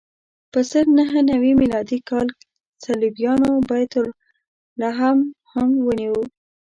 په زر نهه نوې میلادي کال صلیبیانو بیت لحم هم ونیو.